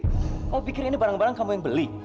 oh pikir ini barang barang kamu yang beli